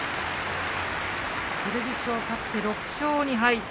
剣翔、勝って６勝２敗。